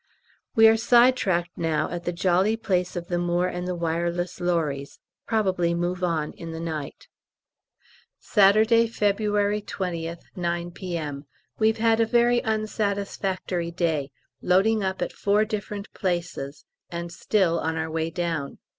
We are side tracked now at the jolly place of the Moor and the Wireless Lorries; probably move on in the night. Saturday, February 20th, 9 P.M. We've had a very unsatisfactory day, loading up at four different places, and still on our way down.